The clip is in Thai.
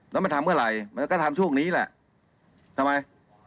แล้วมันทำเมื่อไหร่มันก็ทำช่วงนี้แหละทำไม